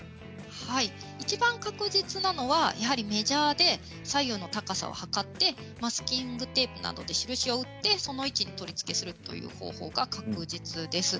いちばん確実なのはやはりメジャーで左右の高さを測ってマスキングテープなどで印をつけてそこに取り付けるという方法が確実です。